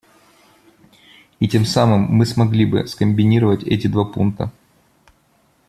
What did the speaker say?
И тем самым мы смогли бы скомбинировать эти два пункта.